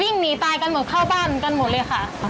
หนีตายกันหมดเข้าบ้านกันหมดเลยค่ะ